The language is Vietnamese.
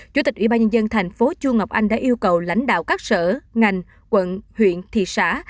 chủ tịch ủy ban nhân dân thành phố chu ngọc anh đã yêu cầu lãnh đạo các sở ngành quận huyện thị xã